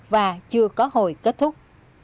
và chưa có hồi kết thúc